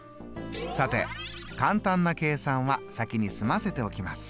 さて簡単な計算は先に済ませておきます。